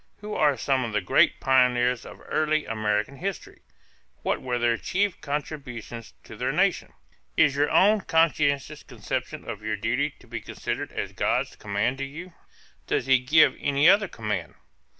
Who are some of the great pioneers of early American history? What were their chief contributions to their nation? Is your own conscientious conception of your duty to be considered as God's command to you? Does he give any other command?